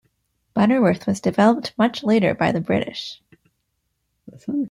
Butterworth was developed much later by the British.